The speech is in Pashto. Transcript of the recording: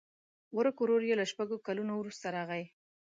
ورک ورور یې له شپږو کلونو وروسته راغی.